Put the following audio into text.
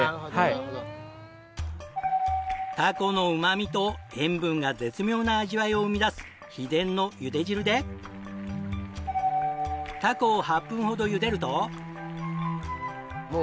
なるほどなるほど。が絶妙な味わいを生み出す秘伝の茹で汁でタコを８分ほど茹でると。